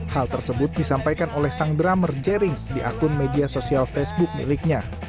hal tersebut disampaikan oleh sang drummer jerings di akun media sosial facebook miliknya